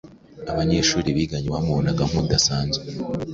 abanyeshuri biganye bamubonaga nk’udasanzwe